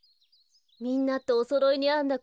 みんなとおそろいにあんだ